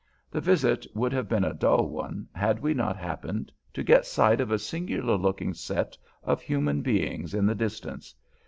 The visit would have been a dull one, had we not happened to get sight of a singular looking set of human beings in the distance.